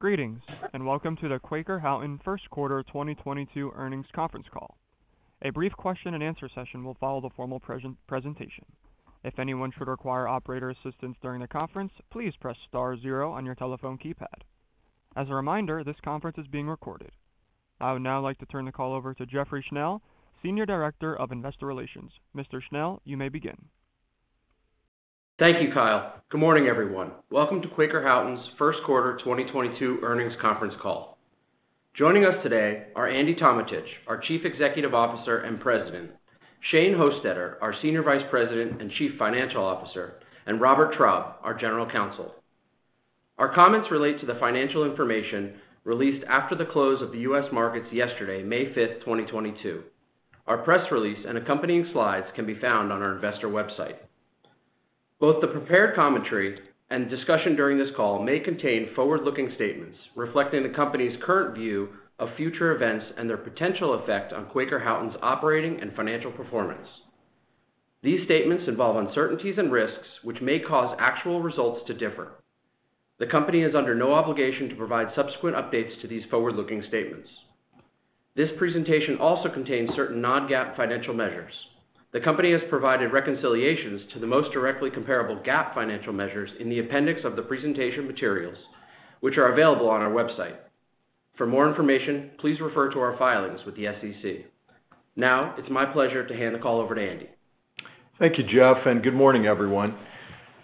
Greetings, and welcome to the Quaker Houghton first quarter 2022 earnings conference call. A brief question-and-answer session will follow the formal presentation. If anyone should require operator assistance during the conference, please press star zero on your telephone keypad. As a reminder, this conference is being recorded. I would now like to turn the call over to Jeffrey Schnell, Senior Director of Investor Relations. Mr. Schnell, you may begin. Thank you, Kyle. Good morning, everyone. Welcome to Quaker Houghton's first quarter 2022 earnings conference call. Joining us today are Andy Tometich, our Chief Executive Officer and President, Shane Hostetter, our Senior Vice President and Chief Financial Officer, and Robert Traub, our General Counsel. Our comments relate to the financial information released after the close of the U.S. markets yesterday, May 5th, 2022. Our press release and accompanying slides can be found on our investor website. Both the prepared commentary and discussion during this call may contain forward-looking statements reflecting the company's current view of future events and their potential effect on Quaker Houghton's operating and financial performance. These statements involve uncertainties and risks which may cause actual results to differ. The company is under no obligation to provide subsequent updates to these forward-looking statements. This presentation also contains certain non-GAAP financial measures. The company has provided reconciliations to the most directly comparable GAAP financial measures in the appendix of the presentation materials, which are available on our website. For more information, please refer to our filings with the SEC. Now, it's my pleasure to hand the call over to Andy. Thank you, Jeff, and good morning, everyone.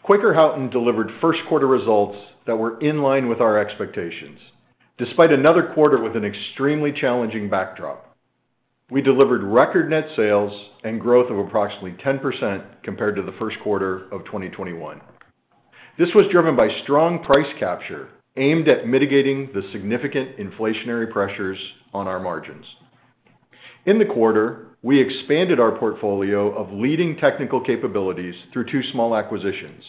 Quaker Houghton delivered first quarter results that were in line with our expectations. Despite another quarter with an extremely challenging backdrop, we delivered record net sales and growth of approximately 10% compared to the first quarter of 2021. This was driven by strong price capture aimed at mitigating the significant inflationary pressures on our margins. In the quarter, we expanded our portfolio of leading technical capabilities through two small acquisitions.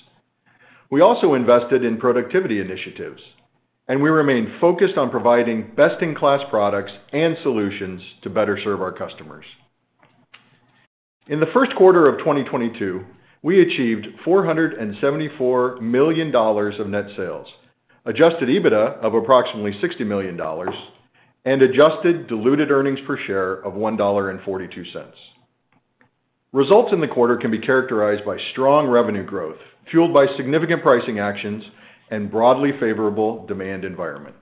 We also invested in productivity initiatives, and we remain focused on providing best-in-class products and solutions to better serve our customers. In the first quarter of 2022, we achieved $474 million of net sales, adjusted EBITDA of approximately $60 million, and adjusted diluted earnings per share of $1.42. Results in the quarter can be characterized by strong revenue growth, fueled by significant pricing actions and broadly favorable demand environment.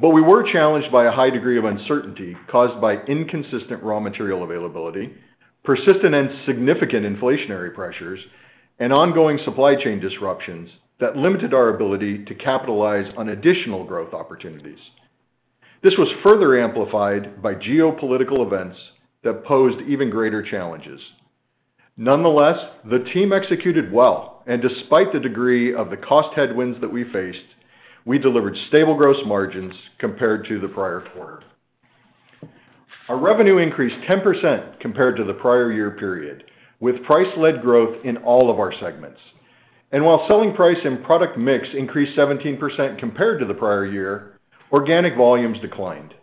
We were challenged by a high degree of uncertainty caused by inconsistent raw material availability, persistent and significant inflationary pressures, and ongoing supply chain disruptions that limited our ability to capitalize on additional growth opportunities. This was further amplified by geopolitical events that posed even greater challenges. Nonetheless, the team executed well, and despite the degree of the cost headwinds that we faced, we delivered stable gross margins compared to the prior quarter. Our revenue increased 10% compared to the prior year period, with price-led growth in all of our segments. While selling price and product mix increased 17% compared to the prior year, organic volumes declined.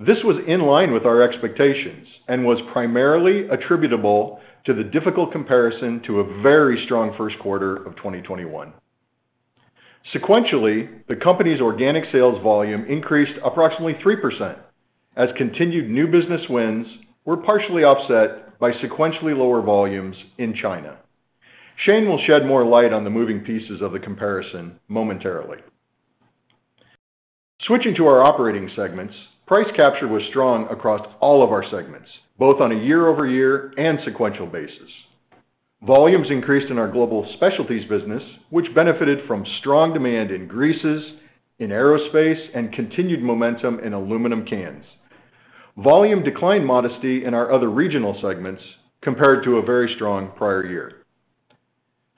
This was in line with our expectations and was primarily attributable to the difficult comparison to a very strong first quarter of 2021. Sequentially, the company's organic sales volume increased approximately 3% as continued new business wins were partially offset by sequentially lower volumes in China. Shane will shed more light on the moving pieces of the comparison momentarily. Switching to our operating segments, price capture was strong across all of our segments, both on a year-over-year and sequential basis. Volumes increased in our Global Specialty Businesses, which benefited from strong demand in greases, in aerospace, and continued momentum in aluminum cans. Volume declined modestly in our other regional segments compared to a very strong prior year.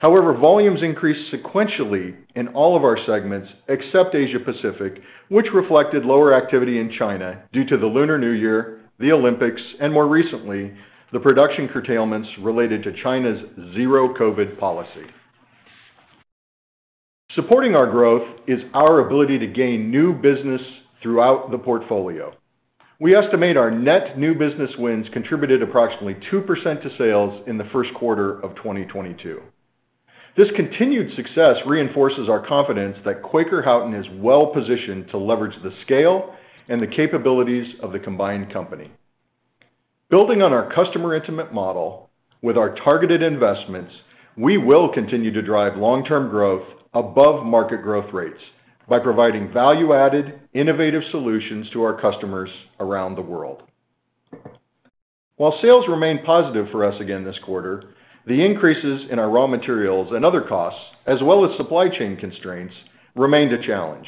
However, volumes increased sequentially in all of our segments except Asia Pacific, which reflected lower activity in China due to the Lunar New Year, the Olympics, and more recently, the production curtailments related to China's Zero-COVID policy. Supporting our growth is our ability to gain new business throughout the portfolio. We estimate our net new business wins contributed approximately 2% to sales in the first quarter of 2022. This continued success reinforces our confidence that Quaker Houghton is well positioned to leverage the scale and the capabilities of the combined company. Building on our customer intimate model with our targeted investments, we will continue to drive long-term growth above market growth rates by providing value-added, innovative solutions to our customers around the world. While sales remained positive for us again this quarter, the increases in our raw materials and other costs, as well as supply chain constraints, remained a challenge.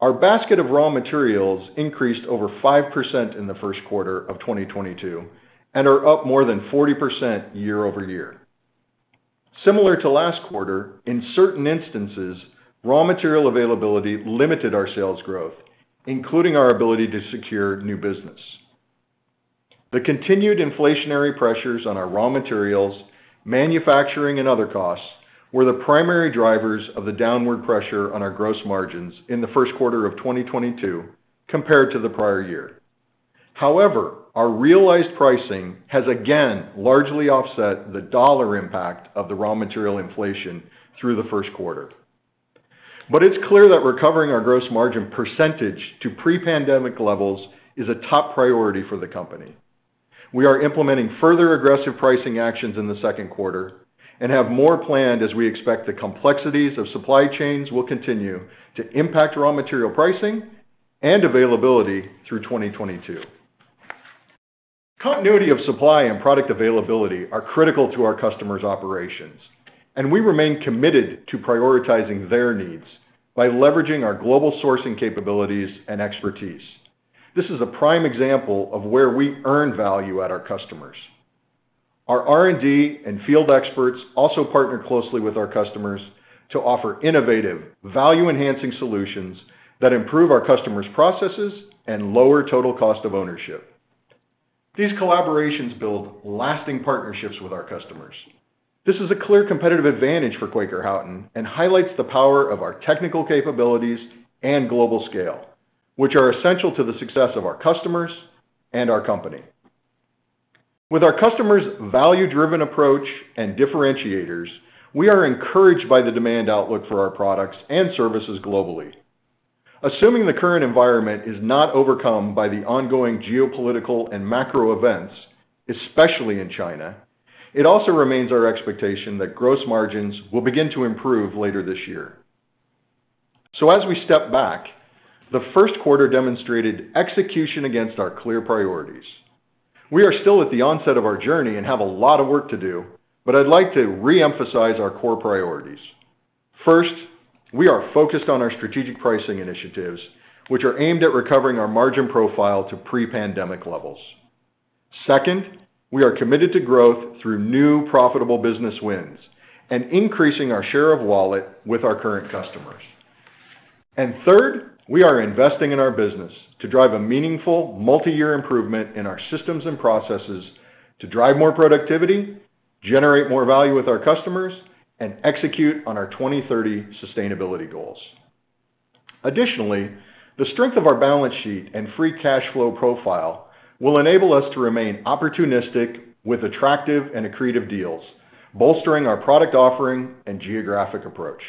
Our basket of raw materials increased over 5% in the first quarter of 2022 and are up more than 40% year-over-year. Similar to last quarter, in certain instances, raw material availability limited our sales growth, including our ability to secure new business. The continued inflationary pressures on our raw materials, manufacturing, and other costs were the primary drivers of the downward pressure on our gross margins in the first quarter of 2022 compared to the prior year. However, our realized pricing has again largely offset the dollar impact of the raw material inflation through the first quarter. It's clear that recovering our gross margin percentage to pre-pandemic levels is a top priority for the company. We are implementing further aggressive pricing actions in the second quarter and have more planned as we expect the complexities of supply chains will continue to impact raw material pricing and availability through 2022. Continuity of supply and product availability are critical to our customers' operations, and we remain committed to prioritizing their needs by leveraging our global sourcing capabilities and expertise. This is a prime example of where we earn value at our customers. Our R&D and field experts also partner closely with our customers to offer innovative, value-enhancing solutions that improve our customers' processes and lower total cost of ownership. These collaborations build lasting partnerships with our customers. This is a clear competitive advantage for Quaker Houghton and highlights the power of our technical capabilities and global scale, which are essential to the success of our customers and our company. With our customers' value-driven approach and differentiators, we are encouraged by the demand outlook for our products and services globally. Assuming the current environment is not overcome by the ongoing geopolitical and macro events, especially in China, it also remains our expectation that gross margins will begin to improve later this year. As we step back, the first quarter demonstrated execution against our clear priorities. We are still at the onset of our journey and have a lot of work to do, but I'd like to reemphasize our core priorities. First, we are focused on our strategic pricing initiatives, which are aimed at recovering our margin profile to pre-pandemic levels. Second, we are committed to growth through new profitable business wins and increasing our share of wallet with our current customers. Third, we are investing in our business to drive a meaningful multi-year improvement in our systems and processes to drive more productivity, generate more value with our customers, and execute on our 2030 sustainability goals. Additionally, the strength of our balance sheet and free cash flow profile will enable us to remain opportunistic with attractive and accretive deals, bolstering our product offering and geographic approach.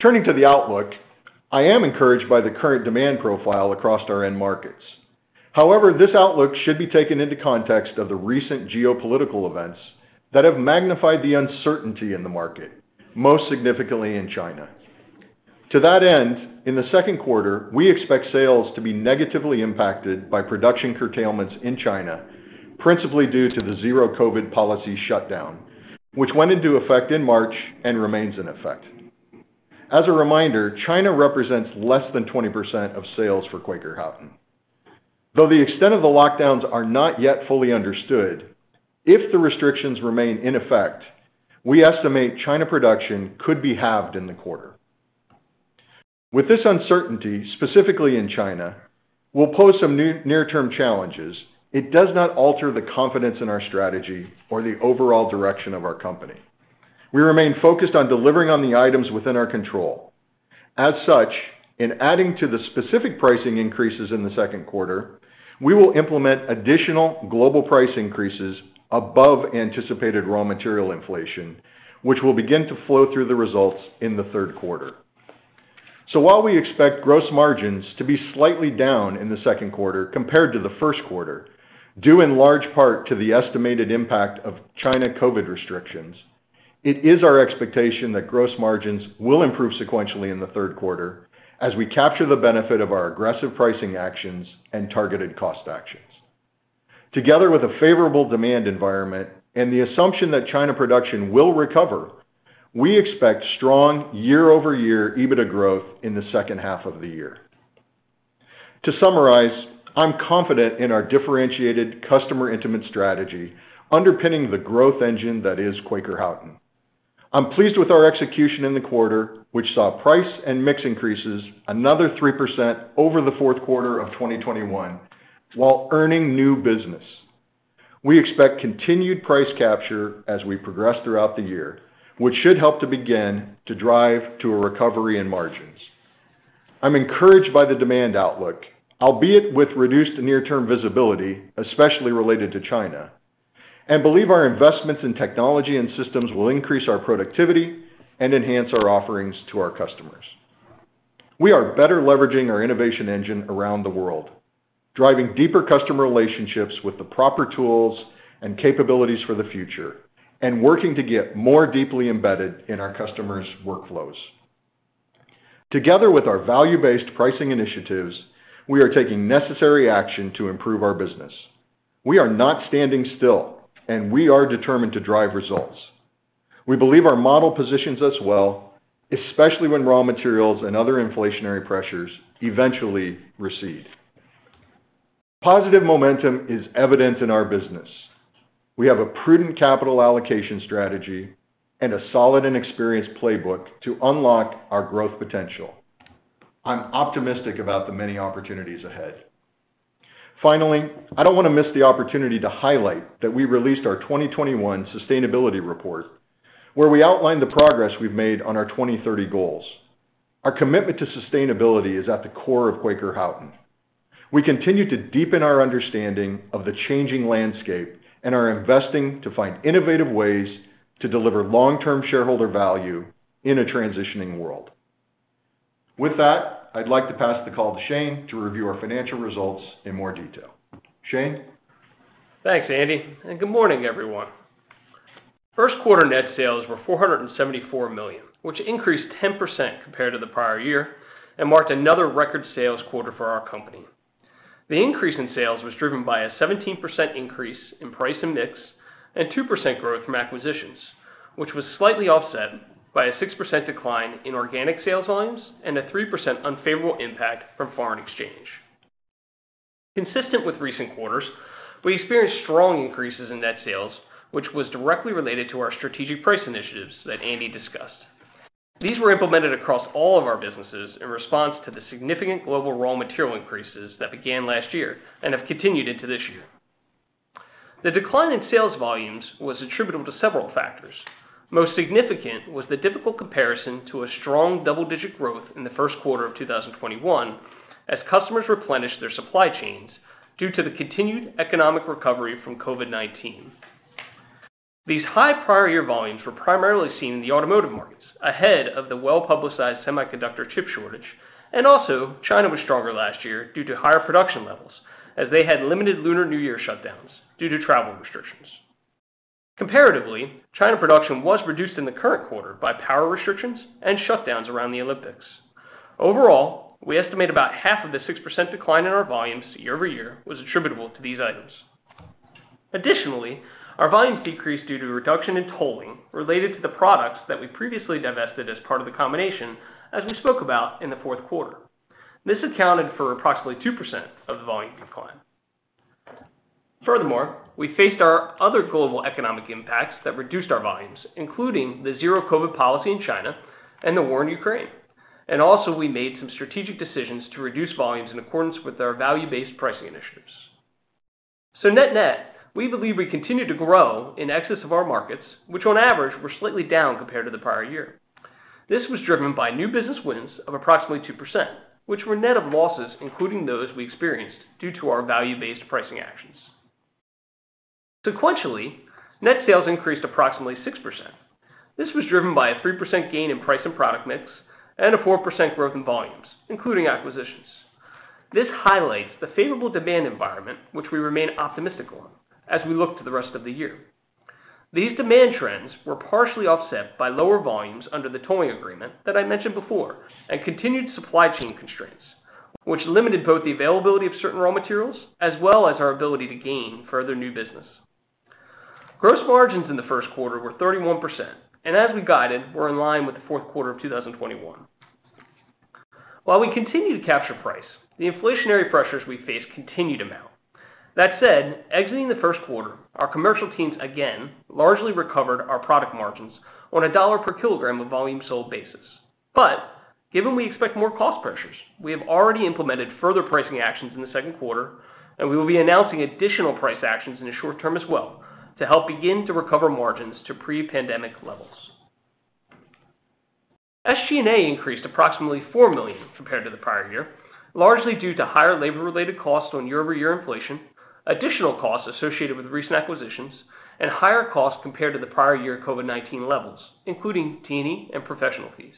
Turning to the outlook, I am encouraged by the current demand profile across our end markets. However, this outlook should be taken into context of the recent geopolitical events that have magnified the uncertainty in the market, most significantly in China. To that end, in the second quarter, we expect sales to be negatively impacted by production curtailments in China, principally due to the Zero-COVID policy shutdown, which went into effect in March and remains in effect. As a reminder, China represents less than 20% of sales for Quaker Houghton. Though the extent of the lockdowns are not yet fully understood, if the restrictions remain in effect, we estimate China production could be halved in the quarter. With this uncertainty, specifically in China, we'll pose some near-term challenges. It does not alter the confidence in our strategy or the overall direction of our company. We remain focused on delivering on the items within our control. As such, in adding to the specific pricing increases in the second quarter, we will implement additional global price increases above anticipated raw material inflation, which will begin to flow through the results in the third quarter. While we expect gross margins to be slightly down in the second quarter compared to the first quarter, due in large part to the estimated impact of China COVID-19 restrictions, it is our expectation that gross margins will improve sequentially in the third quarter as we capture the benefit of our aggressive pricing actions and targeted cost actions. Together with a favorable demand environment and the assumption that China production will recover, we expect strong year-over-year EBITDA growth in the second half of the year. To summarize, I'm confident in our differentiated customer intimate strategy underpinning the growth engine that is Quaker Houghton. I'm pleased with our execution in the quarter, which saw price and mix increases another 3% over the fourth quarter of 2021 while earning new business. We expect continued price capture as we progress throughout the year, which should help to begin to drive to a recovery in margins. I'm encouraged by the demand outlook, albeit with reduced near term visibility, especially related to China, and believe our investments in technology and systems will increase our productivity and enhance our offerings to our customers. We are better leveraging our innovation engine around the world, driving deeper customer relationships with the proper tools and capabilities for the future and working to get more deeply embedded in our customers' workflows. Together with our value-based pricing initiatives, we are taking necessary action to improve our business. We are not standing still, and we are determined to drive results. We believe our model positions us well, especially when raw materials and other inflationary pressures eventually recede. Positive momentum is evident in our business. We have a prudent capital allocation strategy and a solid and experienced playbook to unlock our growth potential. I'm optimistic about the many opportunities ahead. Finally, I don't wanna miss the opportunity to highlight that we released our 2021 sustainability report where we outlined the progress we've made on our 2030 goals. Our commitment to sustainability is at the core of Quaker Houghton. We continue to deepen our understanding of the changing landscape and are investing to find innovative ways to deliver long-term shareholder value in a transitioning world. With that, I'd like to pass the call to Shane to review our financial results in more detail. Shane? Thanks, Andy, and good morning, everyone. First quarter net sales were $474 million, which increased 10% compared to the prior year and marked another record sales quarter for our company. The increase in sales was driven by a 17% increase in price and mix, and 2% growth from acquisitions, which was slightly offset by a 6% decline in organic sales volumes and a 3% unfavorable impact from foreign exchange. Consistent with recent quarters, we experienced strong increases in net sales, which was directly related to our strategic price initiatives that Andy discussed. These were implemented across all of our businesses in response to the significant global raw material increases that began last year and have continued into this year. The decline in sales volumes was attributable to several factors. Most significant was the difficult comparison to a strong double-digit growth in the first quarter of 2021 as customers replenished their supply chains due to the continued economic recovery from COVID-19. These high prior year volumes were primarily seen in the automotive markets ahead of the well-publicized semiconductor chip shortage, and also China was stronger last year due to higher production levels as they had limited Lunar New Year shutdowns due to travel restrictions. Comparatively, China production was reduced in the current quarter by power restrictions and shutdowns around the Olympics. Overall, we estimate about half of the 6% decline in our volumes year-over-year was attributable to these items. Additionally, our volumes decreased due to a reduction in tolling related to the products that we previously divested as part of the combination as we spoke about in the fourth quarter. This accounted for approximately 2% of the volume decline. Furthermore, we faced our other global economic impacts that reduced our volumes, including the Zero-COVID policy in China and the war in Ukraine. Also, we made some strategic decisions to reduce volumes in accordance with our value-based pricing initiatives. Net-net, we believe we continued to grow in excess of our markets, which on average were slightly down compared to the prior year. This was driven by new business wins of approximately 2%, which were net of losses, including those we experienced due to our value-based pricing actions. Sequentially, net sales increased approximately 6%. This was driven by a 3% gain in price and product mix and a 4% growth in volumes, including acquisitions. This highlights the favorable demand environment, which we remain optimistic on as we look to the rest of the year. These demand trends were partially offset by lower volumes under the tolling agreement that I mentioned before, and continued supply chain constraints, which limited both the availability of certain raw materials as well as our ability to gain further new business. Gross margins in the first quarter were 31%, and as we guided, were in line with the fourth quarter of 2021. While we continue to capture price, the inflationary pressures we face continue to mount. That said, exiting the first quarter, our commercial teams again largely recovered our product margins on a $1 per kg of volume sold basis. Given we expect more cost pressures, we have already implemented further pricing actions in the second quarter, and we will be announcing additional price actions in the short term as well to help begin to recover margins to pre-pandemic levels. SG&A increased approximately $4 million compared to the prior year, largely due to higher labor-related costs on year-over-year inflation, additional costs associated with recent acquisitions, and higher costs compared to the prior year COVID-19 levels, including T&E and professional fees.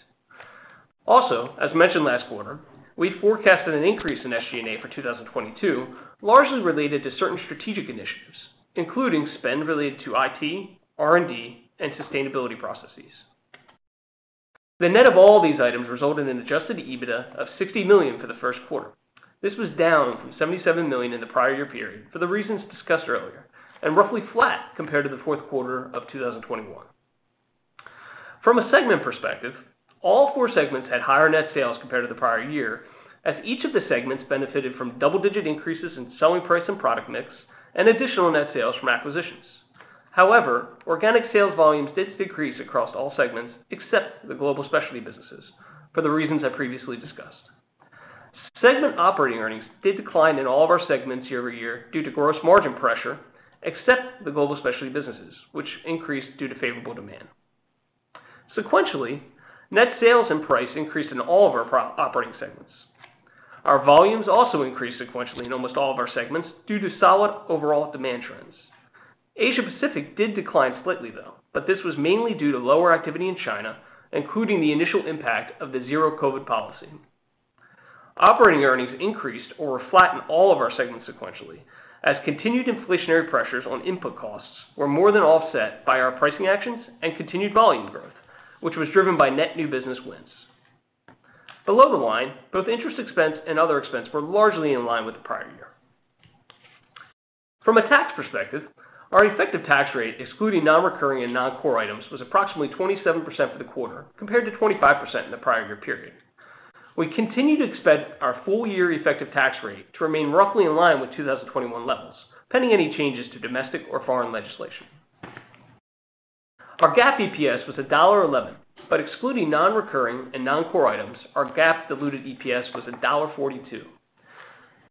Also, as mentioned last quarter, we forecasted an increase in SG&A for 2022, largely related to certain strategic initiatives, including spend related to IT, R&D, and sustainability processes. The net of all these items resulted in adjusted EBITDA of $60 million for the first quarter. This was down from $77 million in the prior year period for the reasons discussed earlier, and roughly flat compared to the fourth quarter of 2021. From a segment perspective, all four segments had higher net sales compared to the prior year as each of the segments benefited from double-digit increases in selling price and product mix and additional net sales from acquisitions. However, organic sales volumes did decrease across all segments except the Global Specialty Businesses for the reasons I previously discussed. Segment operating earnings did decline in all of our segments year-over-year due to gross margin pressure, except the Global Specialty Businesses, which increased due to favorable demand. Sequentially, net sales and price increased in all of our four operating segments. Our volumes also increased sequentially in almost all of our segments due to solid overall demand trends. Asia Pacific did decline slightly though, but this was mainly due to lower activity in China, including the initial impact of the Zero-COVID policy. Operating earnings increased or were flat in all of our segments sequentially as continued inflationary pressures on input costs were more than offset by our pricing actions and continued volume growth, which was driven by net new business wins. Below the line, both interest expense and other expense were largely in line with the prior year. From a tax perspective, our effective tax rate, excluding non-recurring and non-core items, was approximately 27% for the quarter, compared to 25% in the prior year period. We continue to expect our full year effective tax rate to remain roughly in line with 2021 levels, pending any changes to domestic or foreign legislation. Our GAAP EPS was $1.11, but excluding non-recurring and non-core items, our GAAP diluted EPS was $1.42.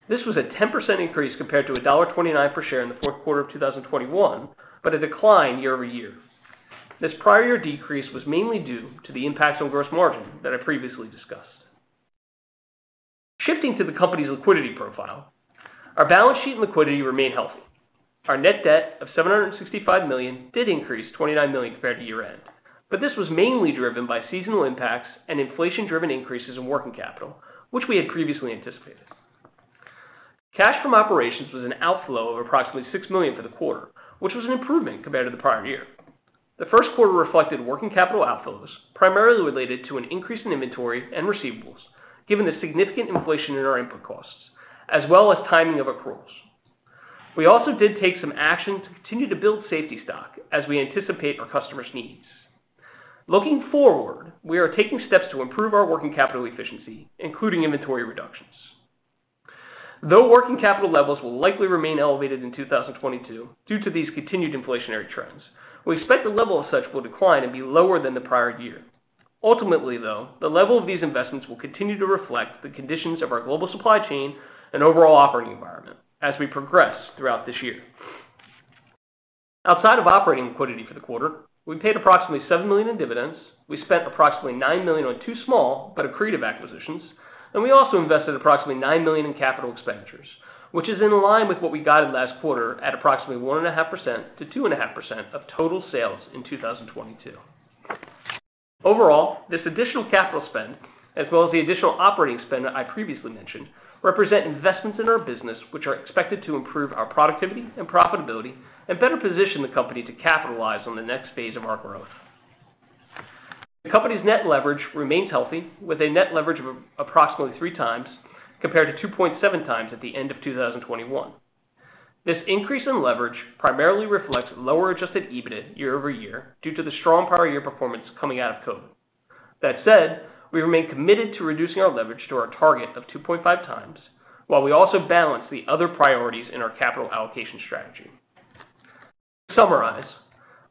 This was a 10% increase compared to $1.29 per share in the fourth quarter of 2021, but a decline year-over-year. This prior year decrease was mainly due to the impacts on gross margin that I previously discussed. Shifting to the company's liquidity profile, our balance sheet and liquidity remain healthy. Our net debt of $765 million did increase $29 million compared to year-end, but this was mainly driven by seasonal impacts and inflation-driven increases in working capital, which we had previously anticipated. Cash from operations was an outflow of approximately $6 million for the quarter, which was an improvement compared to the prior year. The first quarter reflected working capital outflows, primarily related to an increase in inventory and receivables, given the significant inflation in our input costs, as well as timing of accruals. We also did take some action to continue to build safety stock as we anticipate our customers' needs. Looking forward, we are taking steps to improve our working capital efficiency, including inventory reductions. Though working capital levels will likely remain elevated in 2022 due to these continued inflationary trends, we expect the level of such will decline and be lower than the prior year. Ultimately, though, the level of these investments will continue to reflect the conditions of our global supply chain and overall operating environment as we progress throughout this year. Outside of operating liquidity for the quarter, we paid approximately $7 million in dividends. We spent approximately $9 million on two small but accretive acquisitions. We also invested approximately $9 million in capital expenditures, which is in line with what we guided last quarter at approximately 1.5%-2.5% of total sales in 2022. Overall, this additional capital spend, as well as the additional operating spend, I previously mentioned, represent investments in our business, which are expected to improve our productivity and profitability and better position the company to capitalize on the next phase of our growth. The company's net leverage remains healthy, with a net leverage of approximately 3x compared to 2.7x at the end of 2021. This increase in leverage primarily reflects lower adjusted EBIT year-over-year due to the strong prior year performance coming out of COVID. That said, we remain committed to reducing our leverage to our target of 2.5x, while we also balance the other priorities in our capital allocation strategy. To summarize,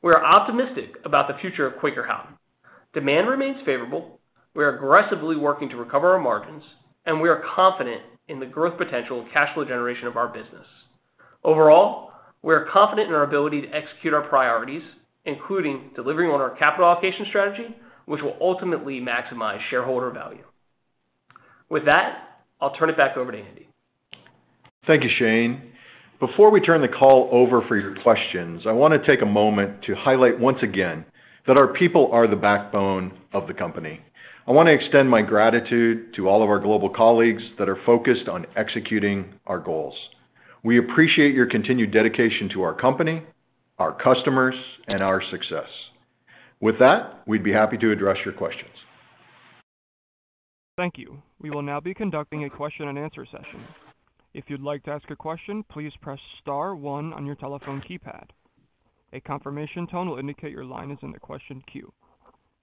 we are optimistic about the future of Quaker Houghton. Demand remains favorable. We are aggressively working to recover our margins, and we are confident in the growth potential and cash flow generation of our business. Overall, we are confident in our ability to execute our priorities, including delivering on our capital allocation strategy, which will ultimately maximize shareholder value. With that, I'll turn it back over to Andy. Thank you, Shane. Before we turn the call over for your questions, I wanna take a moment to highlight once again that our people are the backbone of the company. I wanna extend my gratitude to all of our global colleagues that are focused on executing our goals. We appreciate your continued dedication to our company, our customers, and our success. With that, we'd be happy to address your questions. Thank you. We will now be conducting a question-and-answer session. If you'd like to ask a question, please press star one on your telephone keypad. A confirmation tone will indicate your line is in the question queue.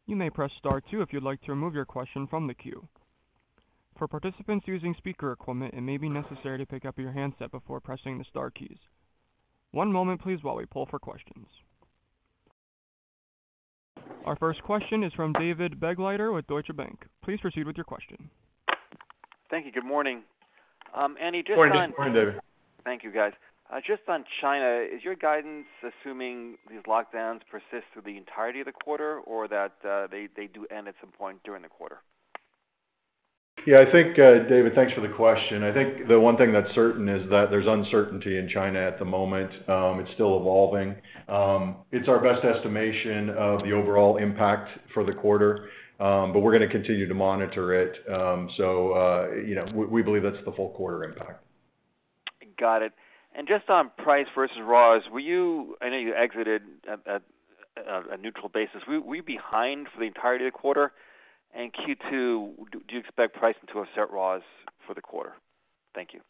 You may press star two if you'd like to remove your question from the queue. For participants using speaker equipment, it may be necessary to pick up your handset before pressing the star keys. One moment please while we poll for questions. Our first question is from David Begleiter with Deutsche Bank. Please proceed with your question. Thank you. Good morning. Andy, just on. Morning, David. Thank you, guys. Just on China, is your guidance assuming these lockdowns persist through the entirety of the quarter or that they do end at some point during the quarter? Yeah, I think, David, thanks for the question. I think the one thing that's certain is that there's uncertainty in China at the moment. It's still evolving. It's our best estimation of the overall impact for the quarter, but we're gonna continue to monitor it. So, you know, we believe that's the full quarter impact. Got it. Just on price versus raws, were you? I know you exited at a neutral basis. Were you behind for the entirety of the quarter? In Q2, do you expect pricing to offset raws for the quarter? Thank you.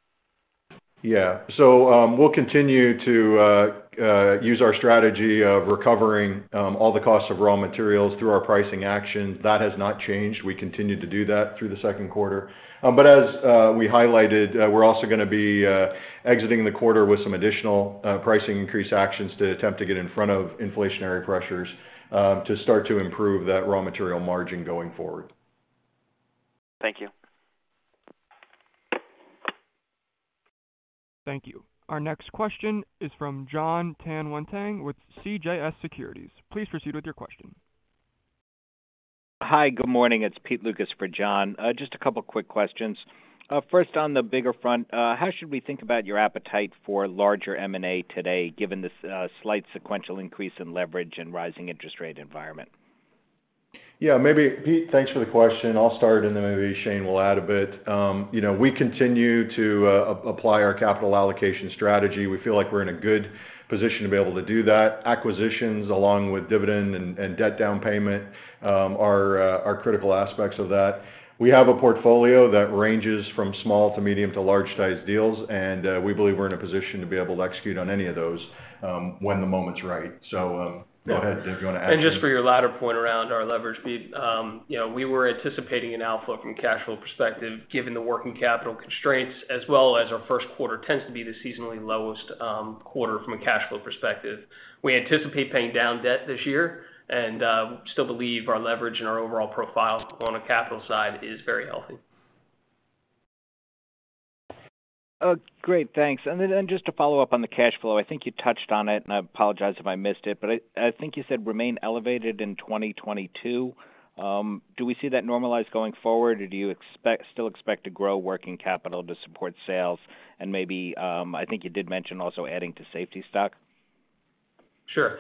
Yeah. We'll continue to use our strategy of recovering all the costs of raw materials through our pricing actions. That has not changed. We continue to do that through the second quarter. As we highlighted, we're also gonna be exiting the quarter with some additional pricing increase actions to attempt to get in front of inflationary pressures, to start to improve that raw material margin going forward. Thank you. Thank you. Our next question is from Jon Tanwanteng with CJS Securities. Please proceed with your question. Hi, good morning. It's Pete Lucas for Jon Tanwanteng. Just a couple quick questions. First on the bigger front, how should we think about your appetite for larger M&A today, given this slight sequential increase in leverage and rising interest rate environment? Yeah, maybe, Pete, thanks for the question. I'll start, and then maybe Shane will add a bit. You know, we continue to apply our capital allocation strategy. We feel like we're in a good position to be able to do that. Acquisitions along with dividend and debt paydown are critical aspects of that. We have a portfolio that ranges from small to medium to large-sized deals, and we believe we're in a position to be able to execute on any of those when the moment's right. Go ahead, Dave, do you wanna add to that? Just for your latter point around our leverage, Pete, you know, we were anticipating an outflow from a cash flow perspective, given the working capital constraints, as well as our first quarter tends to be the seasonally lowest quarter from a cash flow perspective. We anticipate paying down debt this year and still believe our leverage and our overall profile on the capital side is very healthy. Oh, great. Thanks. Just to follow up on the cash flow, I think you touched on it, and I apologize if I missed it, but I think you said remain elevated in 2022. Do we see that normalized going forward, or do you still expect to grow working capital to support sales? Maybe, I think you did mention also adding to safety stock. Sure.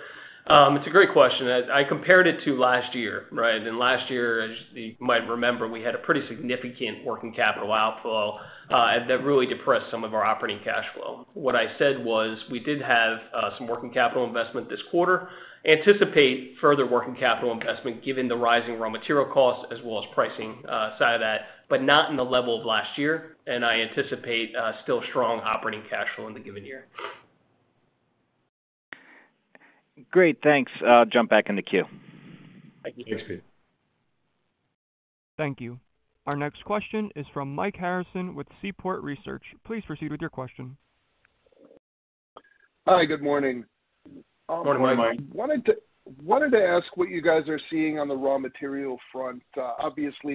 It's a great question. I compared it to last year, right? Last year, as you might remember, we had a pretty significant working capital outflow, and that really depressed some of our operating cash flow. What I said was, we did have some working capital investment this quarter, anticipate further working capital investment given the rising raw material costs as well as pricing side of that, but not in the level of last year, and I anticipate still strong operating cash flow in the given year. Great. Thanks. I'll jump back in the queue. Thank you. Thank you. Our next question is from Mike Harrison with Seaport Research. Please proceed with your question. Hi, good morning. Good morning, Mike. Wanted to ask what you guys are seeing on the raw material front. Obviously,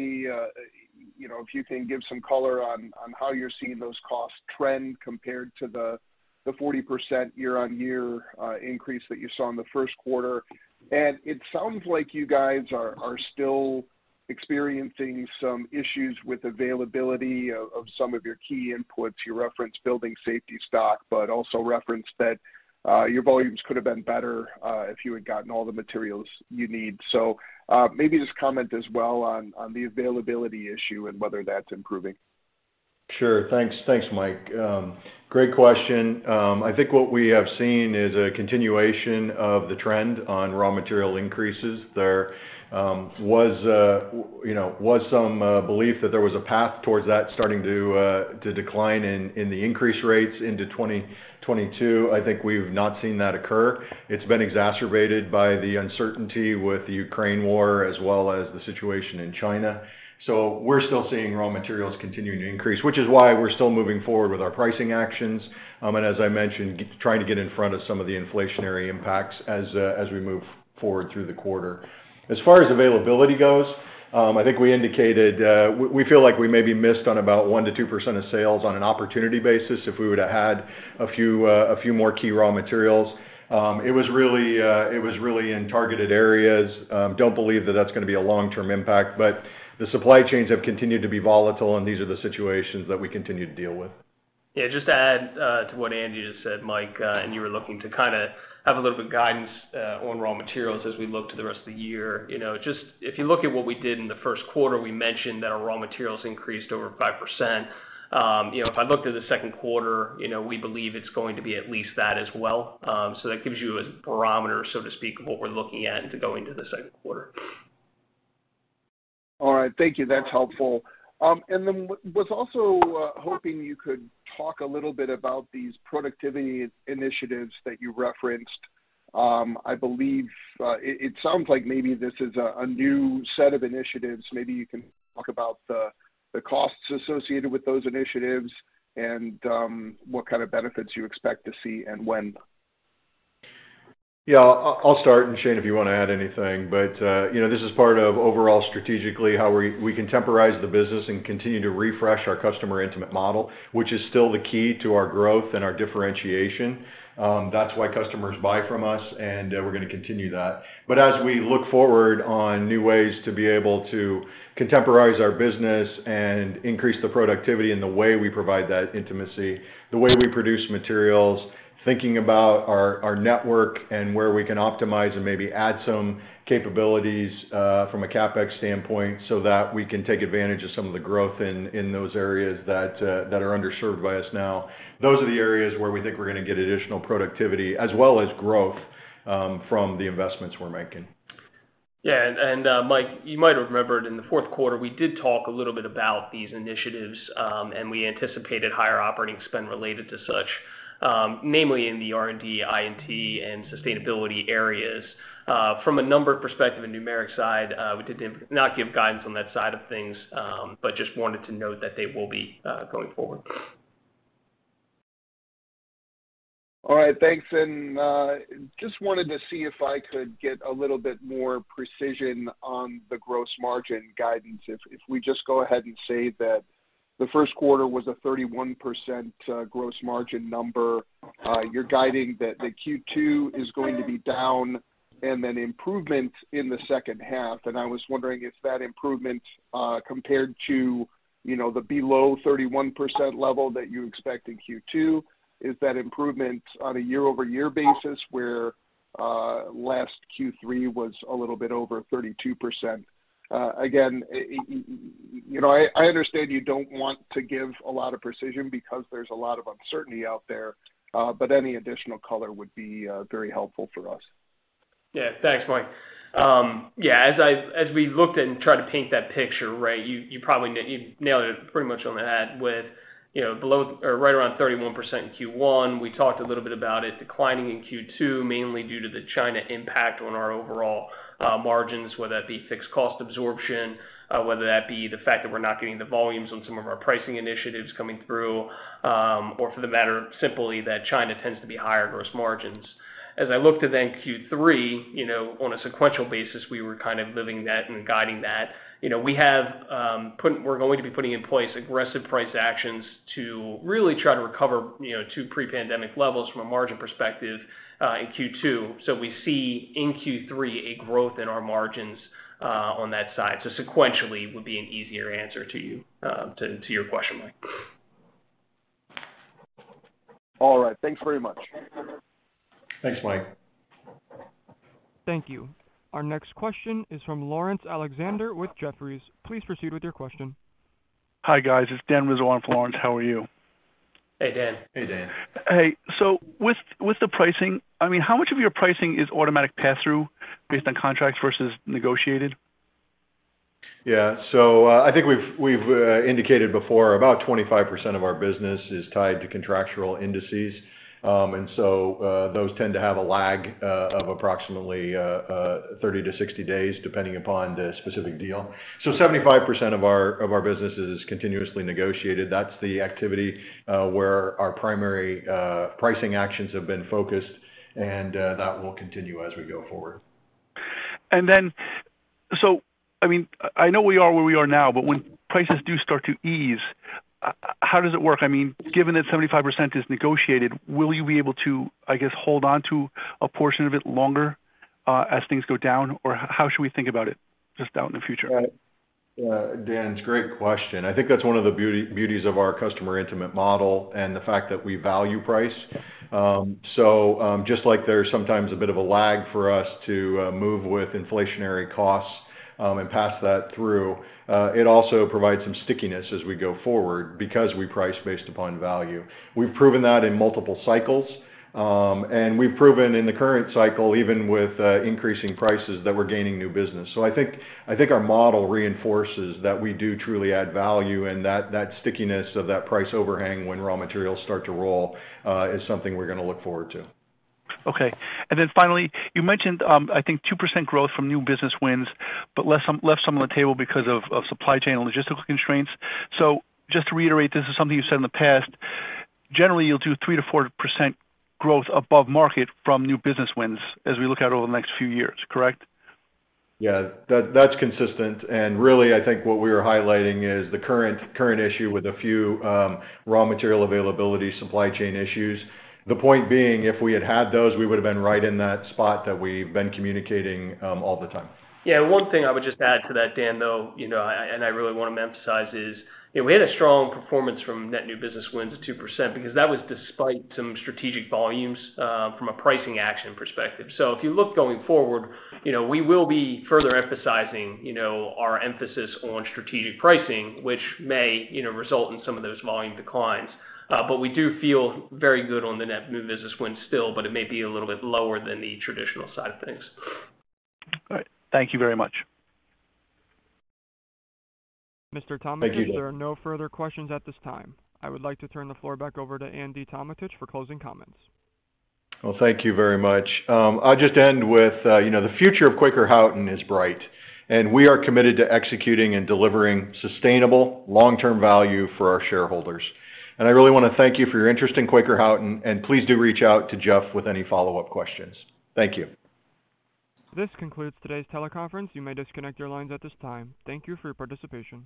you know, if you can give some color on how you're seeing those costs trend compared to the 40% year-on-year increase that you saw in the first quarter. It sounds like you guys are still experiencing some issues with availability of some of your key inputs. You referenced building safety stock, but also referenced that your volumes could have been better if you had gotten all the materials you need. Maybe just comment as well on the availability issue and whether that's improving. Sure. Thanks, Mike. Great question. I think what we have seen is a continuation of the trend on raw material increases. There was, you know, some belief that there was a path towards that starting to decline in the increase rates into 2022. I think we've not seen that occur. It's been exacerbated by the uncertainty with the Ukraine war as well as the situation in China. We're still seeing raw materials continuing to increase, which is why we're still moving forward with our pricing actions, and as I mentioned, trying to get in front of some of the inflationary impacts as we move forward through the quarter. As far as availability goes, I think we indicated, we feel like we may be missed on about 1%-2% of sales on an opportunity basis if we would've had a few more key raw materials. It was really in targeted areas. Don't believe that that's gonna be a long-term impact, but the supply chains have continued to be volatile, and these are the situations that we continue to deal with. Yeah, just to add to what Andy just said, Mike, and you were looking to kinda have a little bit of guidance on raw materials as we look to the rest of the year. You know, just if you look at what we did in the first quarter, we mentioned that our raw materials increased over 5%. You know, if I looked at the second quarter, you know, we believe it's going to be at least that as well. So that gives you a barometer, so to speak, of what we're looking at going into the second quarter. All right. Thank you. That's helpful. Was also hoping you could talk a little bit about these productivity initiatives that you referenced. I believe it sounds like maybe this is a new set of initiatives. Maybe you can talk about the costs associated with those initiatives and what kind of benefits you expect to see and when. Yeah. I'll start, and Shane, if you wanna add anything. You know, this is part of overall strategically how we contemporize the business and continue to refresh our customer intimate model, which is still the key to our growth and our differentiation. That's why customers buy from us, and we're gonna continue that. As we look forward to new ways to be able to contemporize our business and increase the productivity in the way we provide that intimacy, the way we produce materials, thinking about our network and where we can optimize and maybe add some capabilities from a CapEx standpoint so that we can take advantage of some of the growth in those areas that are underserved by us now. Those are the areas where we think we're gonna get additional productivity as well as growth, from the investments we're making. Mike, you might have remembered in the fourth quarter, we did talk a little bit about these initiatives, and we anticipated higher operating spend related to such, namely in the R&D, I&T, and sustainability areas. From a number perspective and numeric side, we did not give guidance on that side of things, but just wanted to note that they will be going forward. All right. Thanks. Just wanted to see if I could get a little bit more precision on the gross margin guidance. If we just go ahead and say that the first quarter was a 31% gross margin number, you're guiding that the Q2 is going to be down and then improvement in the second half. I was wondering if that improvement, compared to, you know, the below 31% level that you expect in Q2, is that improvement on a year-over-year basis where last Q3 was a little bit over 32%? Again, you know, I understand you don't want to give a lot of precision because there's a lot of uncertainty out there, but any additional color would be very helpful for us. Yeah. Thanks, Mike. Yeah, as we looked and tried to paint that picture, right, you probably nailed it pretty much on the head with, you know, below or right around 31% in Q1. We talked a little bit about it declining in Q2, mainly due to the China impact on our overall margins, whether that be fixed cost absorption, whether that be the fact that we're not getting the volumes on some of our pricing initiatives coming through, or for the matter simply that China tends to be higher gross margins. As I looked at then Q3, you know, on a sequential basis, we were kind of living that and guiding that. You know, we're going to be putting in place aggressive price actions to really try to recover, you know, to pre-pandemic levels from a margin perspective in Q2. We see in Q3 a growth in our margins on that side. Sequentially would be an easier answer to you to your question, Mike. All right, thanks very much. Thanks, Mike. Thank you. Our next question is from Laurence Alexander with Jefferies. Please proceed with your question. Hi, guys. It's Dan Rizzo from Laurence. How are you? Hey, Dan. Hey, Dan. Hey, with the pricing, I mean, how much of your pricing is automatic pass-through based on contracts versus negotiated? Yeah. I think we've indicated before about 25% of our business is tied to contractual indices. Those tend to have a lag of approximately 30-60 days, depending upon the specific deal. 75% of our business is continuously negotiated. That's the activity where our primary pricing actions have been focused, and that will continue as we go forward. I mean, I know we are where we are now, but when prices do start to ease, how does it work? I mean, given that 75% is negotiated, will you be able to, I guess, hold on to a portion of it longer, as things go down or how should we think about it just out in the future? Dan, it's a great question. I think that's one of the beauties of our customer intimate model and the fact that we value price. Just like there's sometimes a bit of a lag for us to move with inflationary costs and pass that through, it also provides some stickiness as we go forward because we price based upon value. We've proven that in multiple cycles, and we've proven in the current cycle, even with increasing prices, that we're gaining new business. I think our model reinforces that we do truly add value, and that stickiness of that price overhang when raw materials start to roll is something we're gonna look forward to. Okay. Then finally, you mentioned, I think 2% growth from new business wins but left some on the table because of supply chain and logistical constraints. Just to reiterate, this is something you said in the past, generally, you'll do 3%-4% growth above market from new business wins as we look out over the next few years, correct? Yeah, that's consistent. Really, I think what we are highlighting is the current issue with a few raw material availability supply chain issues. The point being, if we had had those, we would have been right in that spot that we've been communicating all the time. Yeah, one thing I would just add to that, Dan, though, you know, and I really wanna emphasize is, you know, we had a strong performance from net new business wins of 2% because that was despite some strategic volumes from a pricing action perspective. If you look going forward, you know, we will be further emphasizing, you know, our emphasis on strategic pricing, which may, you know, result in some of those volume declines. We do feel very good on the net new business wins still, but it may be a little bit lower than the traditional side of things. All right. Thank you very much. Mr. Tometich, there are no further questions at this time. I would like to turn the floor back over to Andy Tometich for closing comments. Well, thank you very much. I'll just end with, you know, the future of Quaker Houghton is bright, and we are committed to executing and delivering sustainable long-term value for our shareholders. I really wanna thank you for your interest in Quaker Houghton, and please do reach out to Jeff with any follow-up questions. Thank you. This concludes today's teleconference. You may disconnect your lines at this time. Thank you for your participation.